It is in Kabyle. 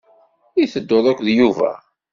I tedduḍ akked Yuba?